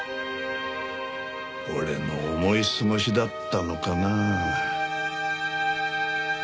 俺の思い過ごしだったのかな。